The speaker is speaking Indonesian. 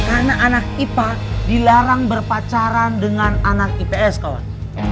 karena anak ipa dilarang berpacaran dengan anak ips kawan